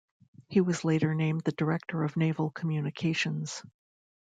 He was later named the Director of Naval Communications.